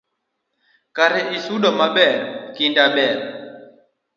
Kare isudo maber, kinda ber